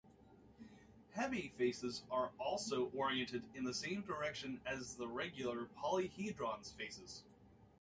Hemi faces are also oriented in the same direction as the regular polyhedron's faces.